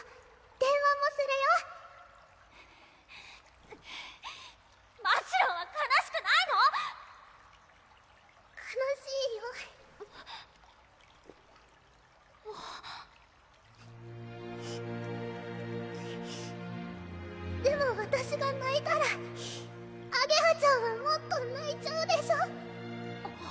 電話もするよましろんは悲しくないの⁉悲しいよでもわたしがないたらあげはちゃんはもっとないちゃうでしょ？